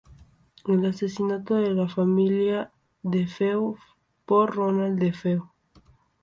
El asesinato de la familia DeFeo por Ronald DeFeo, Jr.